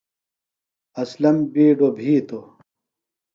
اسلم بِیڈوۡ بِھیتوۡ ۔